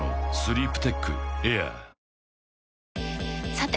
さて！